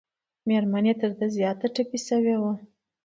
مېرمن یې تر ده زیاته ټپي شوې وه.